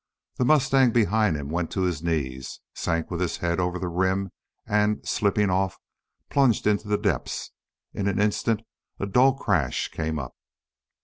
The mustang behind him went to his knees, sank with his head over the rim, and, slipping off, plunged into the depths. In an instant a dull crash came up.